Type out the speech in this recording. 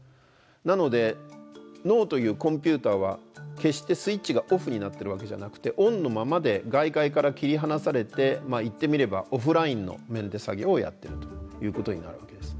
なので脳というコンピューターは決してスイッチがオフになってるわけじゃなくてオンのままで外界から切り離されて言ってみればオフラインのメンテ作業をやってるということになるわけです。